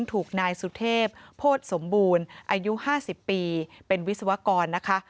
ถูกนายสุเทพโภษสมบูรณ์อายุ๕๐ปีเป็นวิศวกรนะคะ